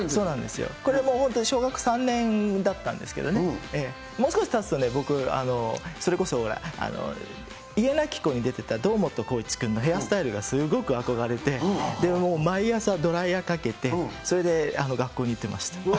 これも本当に小学３年だったんですけどね、もう少したつと僕ね、それこそ家なき子に出てた堂本光一君のヘアスタイルのすごく憧れて、毎朝ドライヤーかけて、それで学校に行ってました。